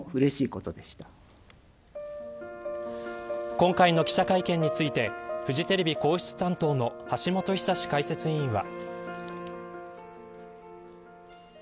今回の記者会見についてフジテレビ皇室担当の橋本寿史解説委員は。